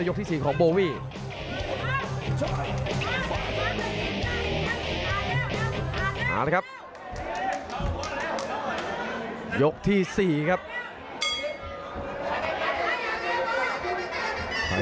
นี่ก็ทีมกับไป